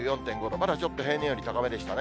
まだちょっと平年より高めでしたね。